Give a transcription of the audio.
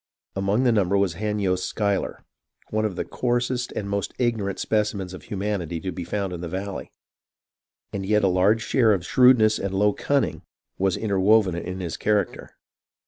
Among the num ber was Hanyost Schuyler, one of the coarsest and most ignorant specimens of humanity to be found in the valley ; and yet a large share of shrewdness and low cunning [was] interwoven in his character.